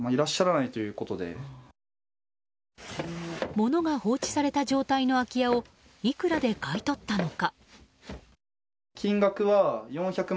物が放置された状態の空き家をいくらで買い取ったのか。